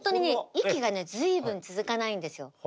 息がね随分続かないんですよ。